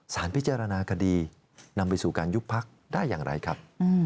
สารพิจารณาคดีนำไปสู่การยุบพักได้อย่างไรครับ